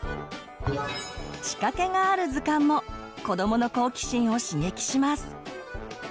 仕掛けがある図鑑も子どもの好奇心を刺激します。